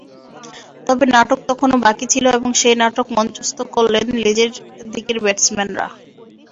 তবে নাটক তখনো বাকি ছিল এবং সেই নাটক মঞ্চস্থ করলেন লেজের দিকের ব্যাটসম্যানরা।